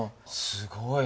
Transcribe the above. すごい！